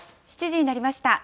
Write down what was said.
７時になりました。